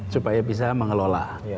supaya bisa mengelola